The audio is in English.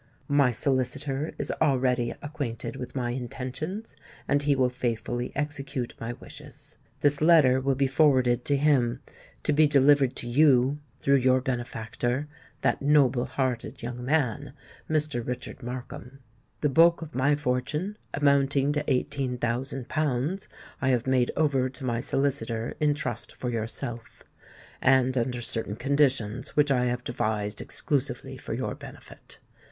My solicitor is already acquainted with my intentions; and he will faithfully execute my wishes. This letter will be forwarded to him, to be delivered to you, through your benefactor—that noble hearted young man, Mr. Richard Markham. The bulk of my fortune, amounting to eighteen thousand pounds, I have made over to my solicitor in trust for yourself, and under certain conditions which I have devised exclusively for your benefit.